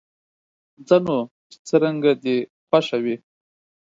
ځه نو، چې څرنګه دې خوښه وي.